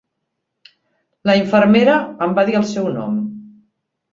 La infermera em va dir el seu nom.